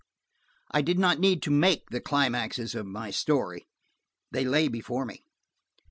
I did not need to make the climaxes of my story. They lay before me.